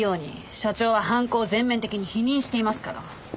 社長は犯行を全面的に否認していますから。